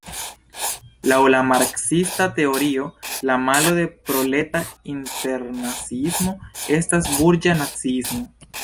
Laŭ la marksisma teorio la malo de proleta internaciismo estas "burĝa naciismo".